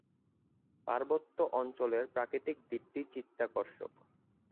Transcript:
পার্বত্য অঞ্চলের প্রাকৃতিক দিকটি চিত্তাকর্ষক।